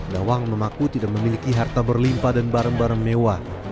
dawang memaku tidak memiliki harta berlimpah dan bareng bareng mewah